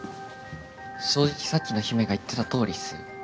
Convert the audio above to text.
正直さっきの姫が言ってたとおりっすよ。